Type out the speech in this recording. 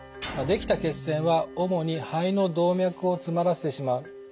できた血栓は主に肺の動脈を詰まらせてしまう。